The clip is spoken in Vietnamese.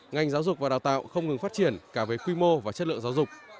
ngành giáo dục và đào tạo không ngừng phát triển cả về quy mô và chất lượng giáo dục